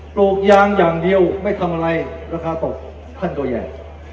ปลูกยางอย่างเดียวไม่ทำอะไรราคาตกท่านตัวใหญ่